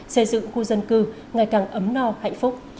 xây dựng khu dân cư ngày càng ấm no hạnh phúc